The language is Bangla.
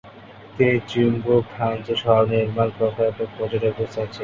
তিনি চিম্বুক-থানচি সড়ক নির্মাণ প্রকল্পের প্রজেক্ট অফিসার ছিলেন।